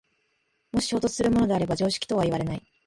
もし衝突するものであれば常識とはいわれない。